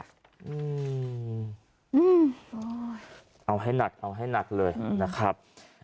อืมเอาให้หนักเอาให้หนักเลยนะครับ